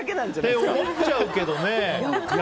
そう思っちゃうけどね。